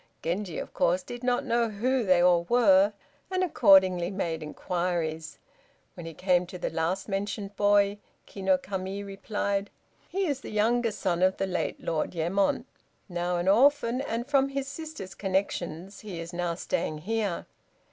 Genji, of course, did not know who they all were, and accordingly made inquiries. When he came to the last mentioned boy, Ki no Kami replied: "He is the youngest son of the late Lord Yemon, now an orphan, and, from his sister's connections, he is now staying here.